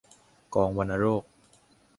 กองวัณโรค